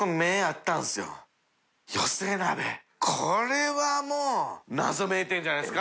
これはもう。